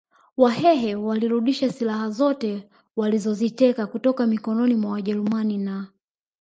Wahehe walirudisha silaha zote walizoziteka kutoka mikononi mwa wajerumani na